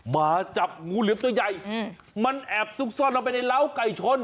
มาจับงูเหลือมตัวใหญ่มันแอบซุกซ่อนลงไปในร้าวไก่ชน